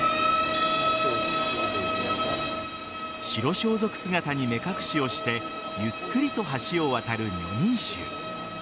白装飾姿に目隠しをしてゆっくりと橋を渡る女人衆。